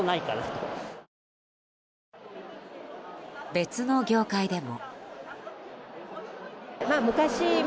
別の業界でも。